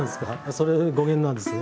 それが語源なんですね。